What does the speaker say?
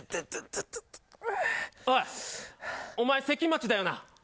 おい、お前、関町だよな。